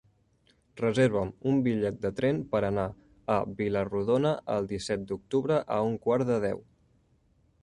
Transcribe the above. Reserva'm un bitllet de tren per anar a Vila-rodona el disset d'octubre a un quart de deu.